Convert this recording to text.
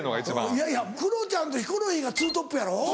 いやいやクロちゃんとヒコロヒーがツートップやろ。